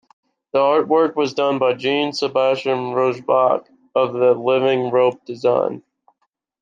The artwork was done by Jean Sebastian Rossbach of the Living Rope Design.